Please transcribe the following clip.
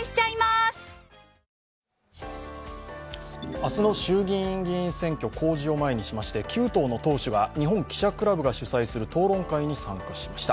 明日の衆議院議員選挙公示を前にしまして、９党の党首が日本記者クラブが主催する討論会に出席しました。